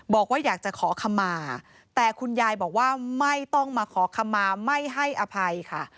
บอกว่าอยากจะขอคำมาแต่คุณยายบอกว่าไม่ต้องมาขอคำมาไม่ให้อภัยค่ะ